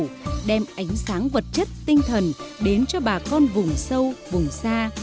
dự án của chính phủ đem ánh sáng vật chất tinh thần đến cho bà con vùng sâu vùng xa